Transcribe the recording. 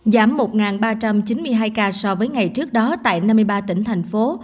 giảm một ba trăm chín mươi hai ca so với ngày trước đó tại năm mươi ba tỉnh thành phố